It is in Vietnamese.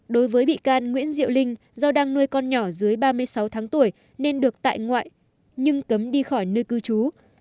đối với bị can nguyễn diệu linh do đang nuôi con nhỏ dưới ba mươi sáu tháng tuổi nên được tại ngoại nhưng cấm đi khỏi nơi cư trú